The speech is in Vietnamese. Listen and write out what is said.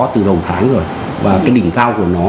từ đầu tháng rồi và cái đỉnh cao của nó